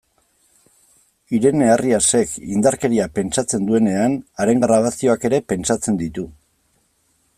Irene Arriasek, indarkeria pentsatzen duenean, haren grabazioak ere pentsatzen ditu.